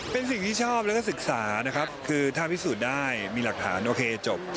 เป็นสิ่งที่ชอบแล้วก็ศึกษานะครับคือถ้าพิสูจน์ได้มีหลักฐานโอเคจบ